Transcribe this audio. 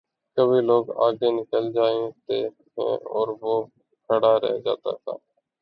کبھی لوگ آگے نکل جاتے ہیں اور وہ کھڑا رہ جا تا ہے۔